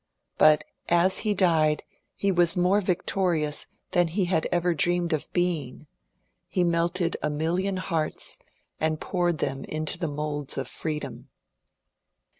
But as he died he was more viotorious than he had ever dreamed of being; he melted a million hearts and poured them into the moulds of Freedom.